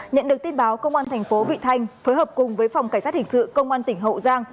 nhận được tin báo công an thành phố vị thanh phối hợp cùng với phòng cảnh sát hình sự công an tỉnh hậu giang